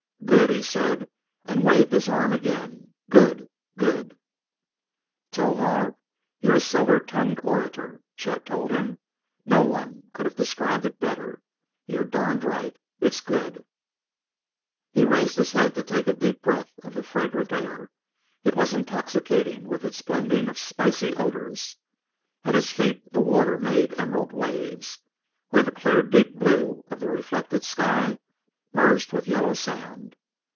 "Good!" he said, and waved his arm again. "Good! Good!" "Towahg, you're a silver tongued orator," Chet told him: "no one could have described it better. You're darned right; it's good." He raised his head to take a deep breath of the fragrant air; it was intoxicating with its blending of spicy odors. At his feet the water made emerald waves, where the clear, deep blue of the reflected sky merged with yellow sand.